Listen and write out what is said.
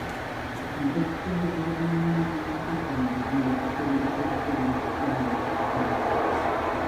Omugatte gw'abanoonyi b'obubuddamu bibiri gutendekeddwa mu kukuba amatafaali .